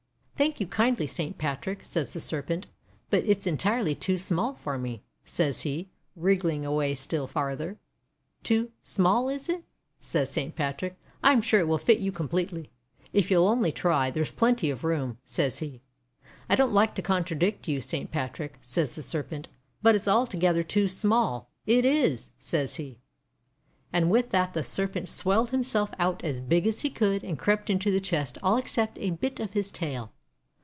"Thank you kindly, Saint Patrick," says the Serpent, "but it's entirely too small for me," says he, wriggling away still farther. "Too small is it?' says Saint Patrick. :<I am sure it will fit you completely. If you'll only try, there's plenty of room," says he. "I don't like to contradict you, Saint Pat rick," says the Serpent, 'but it's altogether too small, it is," says he. And with that the Serpent swelled himself out as big as he could, and crept into the chest all except a bit of his tail.